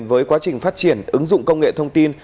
với quá trình phát triển ứng dụng công nghệ thông tin